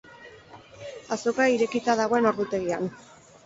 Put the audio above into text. Azoka irekita dagoen ordutegian.